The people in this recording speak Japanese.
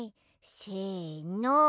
せの。